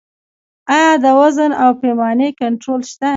آیا د وزن او پیمانې کنټرول شته؟